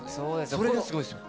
それがすごいですよね。